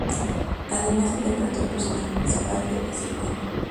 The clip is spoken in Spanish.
Además interpretó el personaje principal de St.